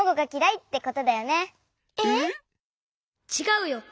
ちがうよ！